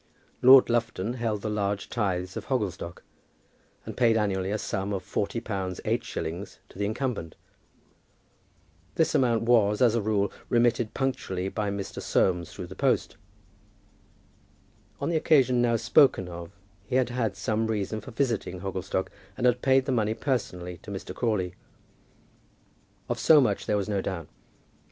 Lord Lufton held the large tithes of Hogglestock, and paid annually a sum of forty pounds eight shillings to the incumbent. This amount was, as a rule, remitted punctually by Mr. Soames through the post. On the occasion now spoken of, he had had some reason for visiting Hogglestock, and had paid the money personally to Mr. Crawley. Of so much there was no doubt.